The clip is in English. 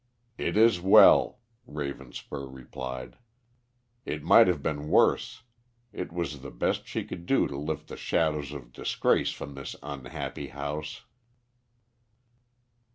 "It is well," Ravenspur replied. "It might have been worse. It was the best she could do to lift the shadow of disgrace from this unhappy house."